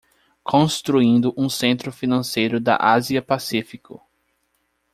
Construindo um Centro Financeiro da Ásia-Pacífico